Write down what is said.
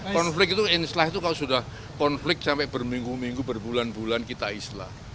konflik itu islah itu kalau sudah konflik sampai berminggu minggu berbulan bulan kita islah